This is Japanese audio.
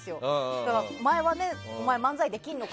だから前はお前、漫才できんのか？